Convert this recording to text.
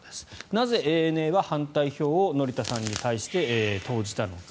なぜ、ＡＮＡは反対票を乗田さんに対して投じたのか。